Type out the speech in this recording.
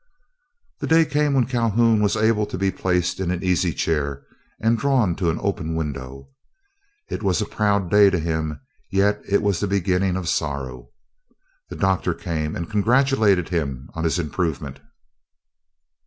The day came when Calhoun was able to be placed in an easy chair and drawn to an open window. It was a proud day to him, yet it was the beginning of sorrow. The Doctor came and congratulated him on his improvement.